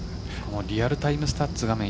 リアルタイムスタッツ画面